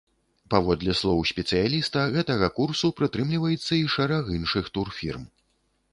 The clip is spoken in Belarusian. Паводле слоў спецыяліста, гэтага курсу прытрымліваецца і шэраг іншых турфірм.